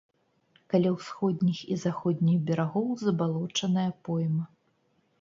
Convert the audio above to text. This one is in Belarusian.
Каля ўсходніх і заходніх берагоў забалочаная пойма.